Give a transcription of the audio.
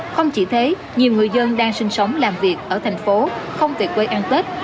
không chỉ thế nhiều người dân đang sinh sống làm việc ở tp hcm không về quê ăn tết